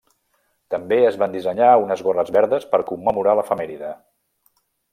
També es van dissenyar unes gorres verdes per commemorar l'efemèride.